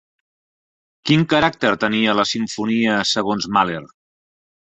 Quin caràcter tenia la simfonia segons Mahler?